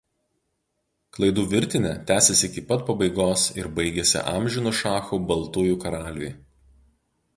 Klaidų virtinė tęsėsi iki pat pabaigos ir baigėsi amžinu šachų baltųjų karaliui.